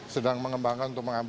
sedang mengembangkan untuk mengambil